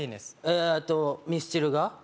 えーとミスチルが？